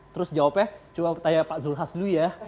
terus jawabnya coba tanya pak zulhas dulu ya